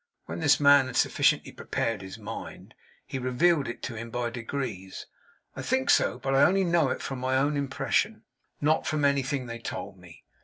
When this man had sufficiently prepared his mind, he revealed it to him by degrees. I think so, but I only know it from my own impression: now from anything they told me.